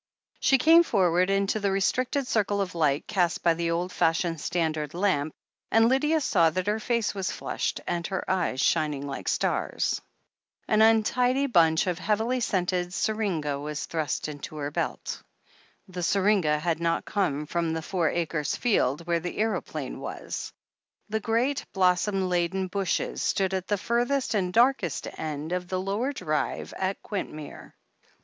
She came forward into the restricted circle of light cast by the old fashioned standard lamp, and Lydia saw that her face was flushed and her eyes shining like stars. An untidy bunch of heavily scented syringa was thrust into her belt. The syringa had not come from the Four Acres field, where the aeroplane was. The great, blossom laden bushes stood at the furthest and darkest end of the lower drive at Quintmere.